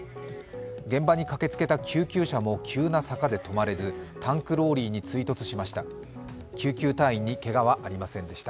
現場に駆けつけた救急車も急な坂で止まれずタンクローリーに追突しました。